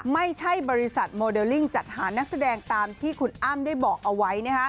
ไม่ใช่บริษัทโมเดลลิ่งจัดหานักแสดงตามที่คุณอ้ำได้บอกเอาไว้